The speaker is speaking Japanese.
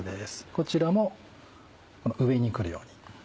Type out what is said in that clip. こちらも上にくるように。